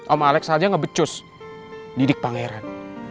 om alex aja ngebecus didik pangeran